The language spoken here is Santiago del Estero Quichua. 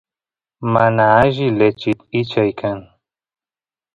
mana alli lechit ichay kan